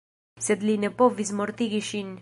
Sed li ne povis mortigi ŝin.